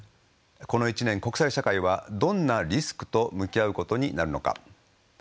この一年国際社会はどんなリスクと向き合うことになるのか。